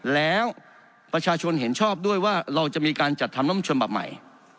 แล้วประชาชนเห็นชอบด้วยว่าเราจะมีการจัดทำร่มชนแบบใหม่